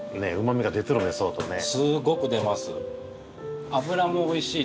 すごく出ます。